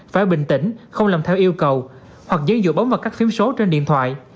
phải bình tĩnh không làm theo yêu cầu hoặc dân dụ bóng mặt các phím số trên điện thoại